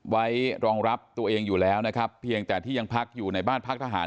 ไว้รองรับตัวเองอยู่แล้วนะครับเพียงแต่ที่ยังพักอยู่ในบ้านพักทหาร